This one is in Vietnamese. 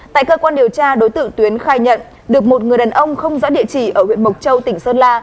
tại cơ quan điều tra đối tượng tuyến khai nhận được một người đàn ông không rõ địa chỉ ở huyện mộc châu tỉnh sơn la